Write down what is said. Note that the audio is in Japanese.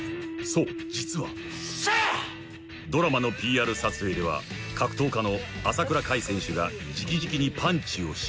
［そう実はドラマのＰＲ撮影では格闘家の朝倉海選手が直々にパンチを指導］